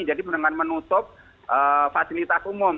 jadi dengan menutup fasilitas umum